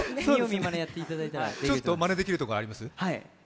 ちょっとまねできるところ、あります？